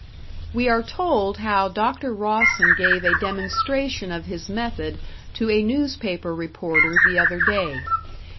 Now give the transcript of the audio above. We are told how Dr. Rawson gave a demonstration of his method to a newspaper reporter the other day.